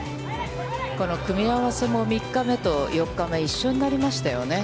この組み合わせも３日目と４日目、一緒になりましたよね。